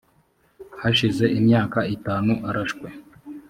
hashize imyaka itanu arashwe